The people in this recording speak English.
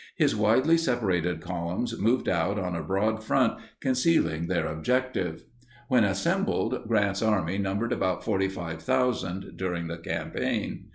His widely separated columns moved out on a broad front concealing their objective. When assembled, Grant's Army numbered about 45,000 during the campaign.